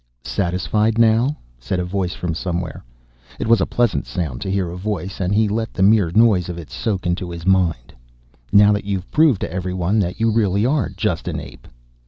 "Satisfied now?" said a voice from somewhere. It was a pleasant sound to hear, a voice, and he let the mere noise of it soak into his mind. "Now that you've proved to everyone that you really are just an ape?"